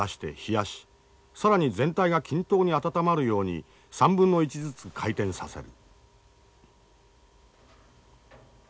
更に全体が均等に温まるように３分の１ずつ回転させる。